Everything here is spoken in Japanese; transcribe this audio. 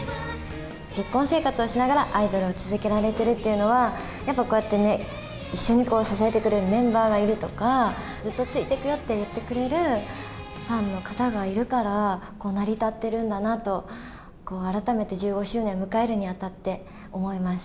結婚生活をしながら、アイドルを続けられているというのは、やっぱこうやってね、一緒に支えてくれるメンバーがいるとか、ずっとついてくよって言ってくれるファンの方がいるから、成り立っているんだなと、改めて１５周年を迎えるにあたって思います。